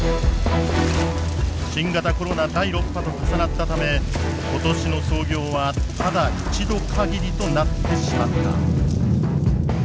新型コロナ第６波と重なったため今年の操業はただ１度かぎりとなってしまった。